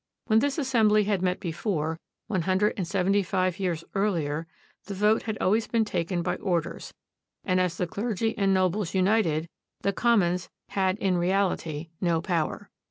When this assembly had met before, one hundred and seventy five years earlier, the vote had always been taken by orders, and as the clergy and nobles united, the commons had in reality no power.